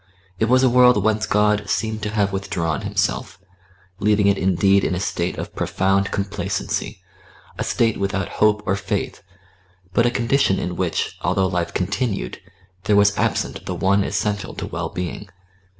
It was a world whence God seemed to have withdrawn Himself, leaving it indeed in a state of profound complacency a state without hope or faith, but a condition in which, although life continued, there was absent the one essential to well being.